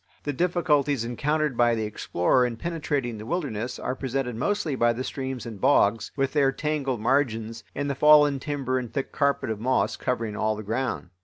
The difficulties encountered by the explorer in penetrating the wilderness are presented mostly by the streams and bogs, with their tangled margins, and the fallen timber and thick carpet of moss covering all the ground.